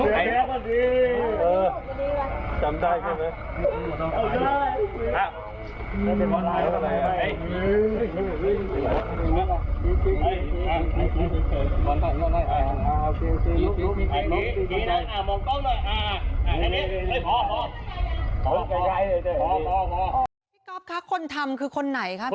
พี่ก๊อฟค่ะคนทำคือคนไหนครับ